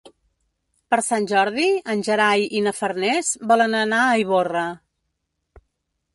Per Sant Jordi en Gerai i na Farners volen anar a Ivorra.